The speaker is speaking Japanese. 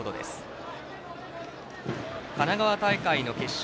神奈川大会の決勝。